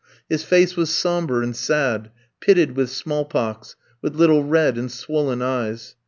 His face was sombre and sad, pitted with small pox, with little red and swollen eyes.